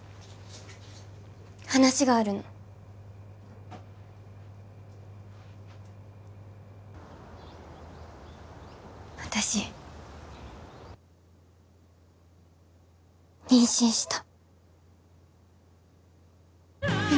話があるの私妊娠した